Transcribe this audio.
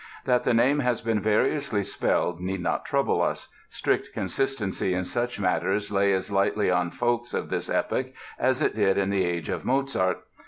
That the name has been variously spelled need not trouble us; strict consistency in such matters lay as lightly on folks of this epoch as it did in the age of Mozart.